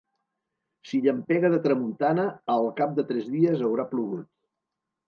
Si llampega de tramuntana al cap de tres dies haurà plogut.